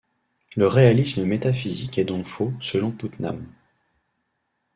Le réalisme métaphysique est donc faux, selon Putnam.